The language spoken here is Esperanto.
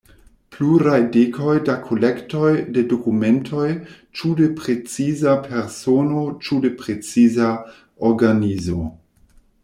Pluraj dekoj da kolektoj de dokumentoj ĉu de preciza persono ĉu de preciza organizo.